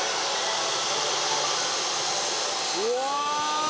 うわ！